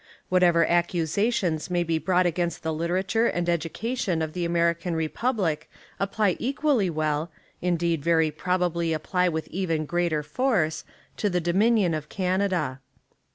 Whatever accusa tions may be brought against the literature and education of the American republic apply equally well — indeed very probably apply with 6S Essays and Literary Studies even greater force — to the Dominion of Can ada.